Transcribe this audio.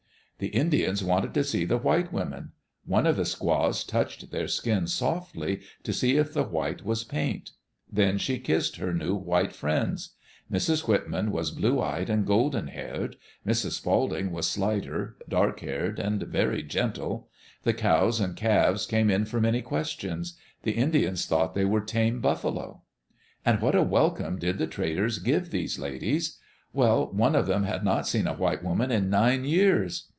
The Indians wanted to see the white women. One of the squaws touched their skin softly, to see if the white was paint. Then she kissed her new white friends. Mrs, Whitman was blue eyed and golden haired. Mrs. Spalding was slighter, dark haired, and very gentle. The cows and calves came in for many questions; the Indians thought they were tame buffalo. And what a welcome did the traders give these ladies I Well, one of them had not seen a white woman in nine years.